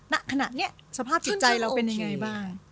ณขณะนี้สภาพจิตใจเราเป็นยังไงบ้าง